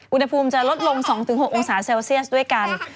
อุณหภูมิจะลดลง๒๖องศาเซลเซียสด้วยกัน